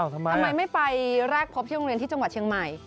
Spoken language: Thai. ทำไมไม่ไปแรกพบที่โรงเรียนที่จังหวัดเชียงใหม่